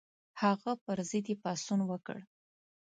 هغه پر ضد یې پاڅون وکړ.